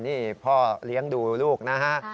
นี่พ่อเลี้ยงดูลูกนะฮะ